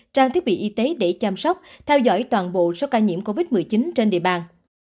trang thiết bị y tế để chăm sóc theo dõi toàn bộ số ca nhiễm covid một mươi chín trên địa bàn